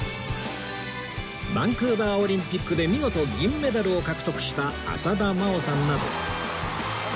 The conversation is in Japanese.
バンクーバーオリンピックで見事銀メダルを獲得した浅田真央さんなど